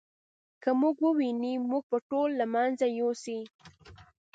که موږ وویني موږ به ټول له منځه یوسي.